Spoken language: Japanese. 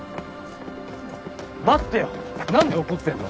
待ってよ何で怒ってんの？